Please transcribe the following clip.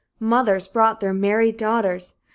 Mothers brought their married daughters.